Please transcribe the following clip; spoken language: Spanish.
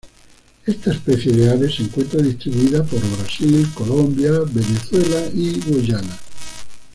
Esta especie de ave se encuentra distribuida por Brasil, Colombia, Venezuela y Guyana.